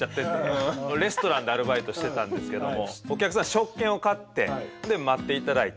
レストランでアルバイトしてたんですけどもお客さん食券を買って待っていただいて。